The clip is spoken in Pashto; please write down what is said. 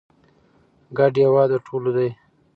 ګډ هېواد د ټولو دی.